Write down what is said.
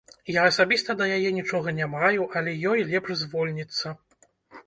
Я асабіста да яе нічога не маю, але ёй лепш звольніцца.